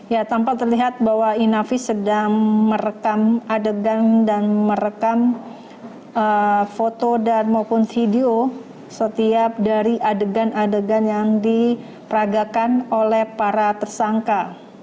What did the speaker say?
ya tampak terlihat bahwa inavis sedang merekam adegan dan merekam foto dan maupun video setiap dari adegan adegan yang diperagakan oleh para tersangka